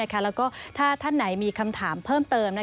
แล้วก็ถ้าท่านไหนมีคำถามเพิ่มเติม